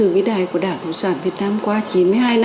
ví dụ như thế thì